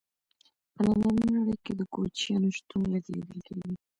په ننۍ نړۍ کې د کوچیانو شتون لږ لیدل کیږي.